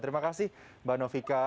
terima kasih mbak novika